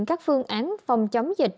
các phương án phòng chống dịch